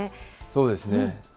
そうですね。